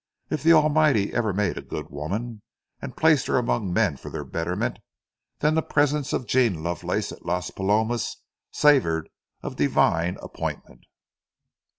If the Almighty ever made a good woman and placed her among men for their betterment, then the presence of Jean Lovelace at Las Palomas savored of divine appointment.